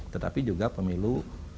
tetapi juga pemilu